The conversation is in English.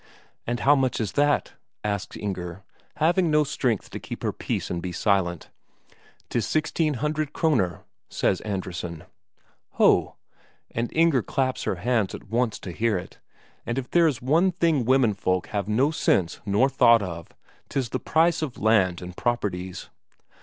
"And how much is that?" asks Inger, having no strength to keep her peace and be silent. "'Tis sixteen hundred Kroner" says Andresen. Ho, and Inger claps her hands at once to hear it, for if there is one thing womenfolk have no sense nor thought of, 'tis the price of land and properties.